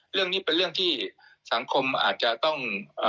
เรื่องนี้เป็นเรื่องที่สังคมอาจจะต้อง